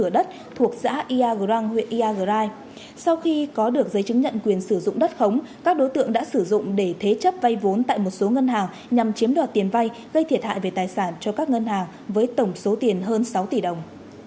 sau khi iagrai sau khi có được giấy chứng nhận quyền sử dụng đất khống các đối tượng đã sử dụng để thế chấp vay vốn tại một số ngân hàng nhằm chiếm đoạt tiền vay gây thiệt hại về tài sản cho các ngân hàng với tổng số tiền hơn sáu tỷ đồng